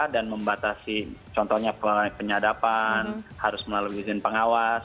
membatasi contohnya penyadapan harus melalui izin pengawas